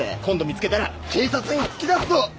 今度見つけたら警察に突き出すぞ！